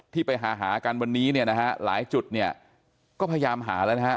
ที่ไปหาหากันวันนี้เนี่ยนะฮะหลายจุดเนี่ยก็พยายามหาแล้วนะฮะ